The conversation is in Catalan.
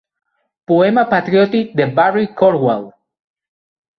Poema patriòtic de Barry Cornwall.